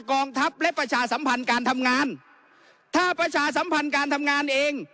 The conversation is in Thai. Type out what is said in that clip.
กองทัพและประชาสัมพันธ์การทำงานถ้าประชาสัมพันธ์การทำงานเอง